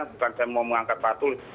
bukan saya mau mengangkat pak tulus